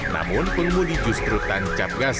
namun penumpang di justru tancap gas